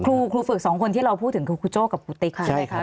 ครูฝึกสองคนที่เราพูดถึงคือครูโจ้กับครูติ๊กใช่ไหมคะ